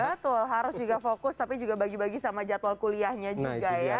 betul harus juga fokus tapi juga bagi bagi sama jadwal kuliahnya juga ya